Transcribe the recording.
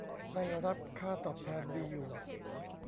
ได้รับค่าตอบแทนดีอยู่